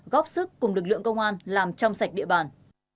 góp sức cùng lực lượng công an làm trong sạch địa bàn